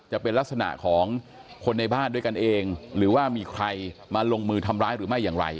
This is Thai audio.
จะเป็นลักษณะของคนในบ้านด้วยกันเองหรือว่ามีใครมาลงมือทำร้ายหรือไม่อย่างไร